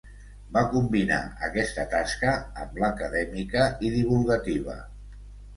Va combinar aquesta tasca amb l'acadèmica i divulgativa.